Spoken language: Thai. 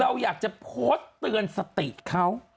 แต่เราไม่รู้ว่าการโพสต์นั้นช่วยได้มากน้อยแค่ไหน